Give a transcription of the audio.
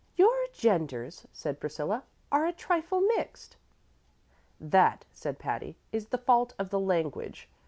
"Your genders," said Priscilla, "are a trifle mixed." "That," said Patty, "is the fault of the language.